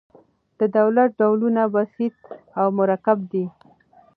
د دولت ډولونه بسیط او مرکب دي.